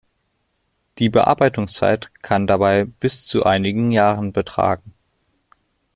Die Bearbeitungszeit kann dabei bis zu einigen Jahren betragen.